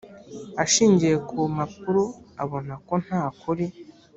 ashingiye ku mpapuro abona ko nta kuri